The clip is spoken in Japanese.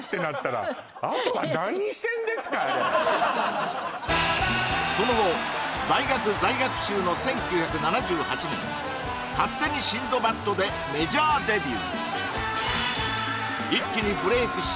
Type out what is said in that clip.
あれその後大学在学中の１９７８年「勝手にシンドバッド」でメジャーデビュー